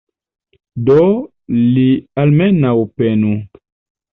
Do li almenaŭ penu.